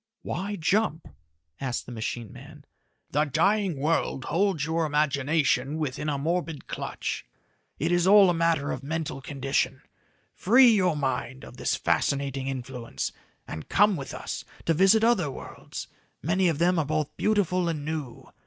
"Why jump?" asked the machine man. "The dying world holds your imagination within a morbid clutch. It is all a matter of mental condition. Free your mind of this fascinating influence and come with us to visit other worlds, many of them are both beautiful and new.